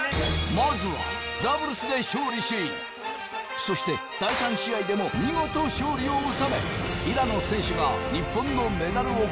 まずはダブルスで勝利しそして第３試合でも見事勝利を収め平野選手が日本のメダルを確定させた。